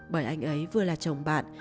bởi anh ấy vừa là chồng bạn